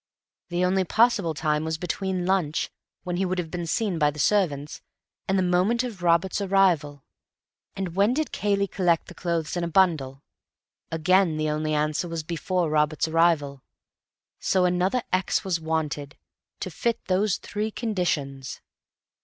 The only possible time was between lunch (when he would be seen by the servants) and the moment of Robert's arrival. And when did Cayley collect the clothes in a bundle? Again, the only answer was 'Before Robert's arrival.' So another x was wanted—to fit those three conditions."